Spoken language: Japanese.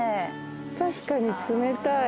確かに冷たい。